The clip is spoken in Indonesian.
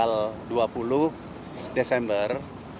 tanggal dua puluh desember